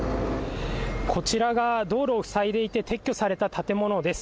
こちらが道路を塞いでいて撤去された建物です。